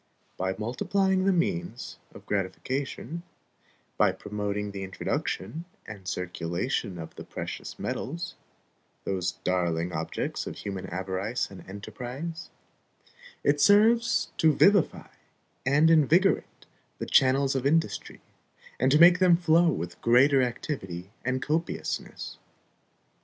By multiplying the means of gratification, by promoting the introduction and circulation of the precious metals, those darling objects of human avarice and enterprise, it serves to vivify and invigorate the channels of industry, and to make them flow with greater activity and copiousness.